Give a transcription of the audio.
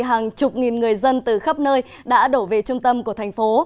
hàng chục nghìn người dân từ khắp nơi đã đổ về trung tâm của thành phố